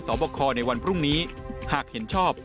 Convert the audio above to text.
บคในวันพรุ่งนี้หากเห็นชอบ